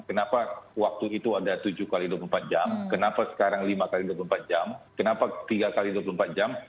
kenapa waktu itu ada tujuh x dua puluh empat jam kenapa sekarang lima x dua puluh empat jam kenapa tiga x dua puluh empat jam